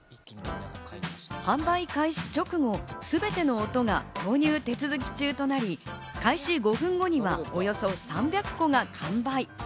販売開始直後、すべての音が購入手続き中となり、開始５分後にはおよそ３００個が完売。